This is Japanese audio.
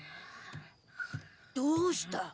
どうした？